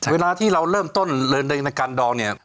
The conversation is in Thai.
เวลาที่เราเริ่มต้นในการดองเนี่ย